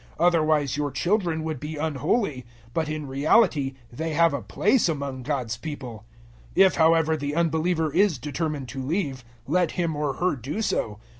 Otherwise your children would be unholy, but in reality they have a place among God's people. 007:015 If, however, the unbeliever is determined to leave, let him or her do so.